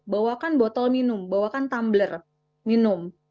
bawakan botol minum bawakan tumbler minum